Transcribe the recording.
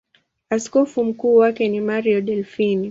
Askofu mkuu wake ni Mario Delpini.